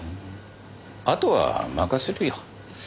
あとは任せるよ。